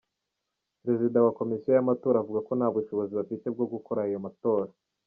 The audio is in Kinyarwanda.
Perezida wa komisiyo y’amatora avuga ko nta bushobozi bafite bwo gukora ayo matora.